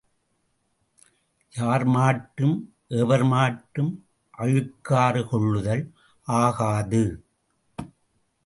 யார் மாட்டும் எவர் மாட்டும் அழுக்காறு கொள்ளுதல் ஆகாது.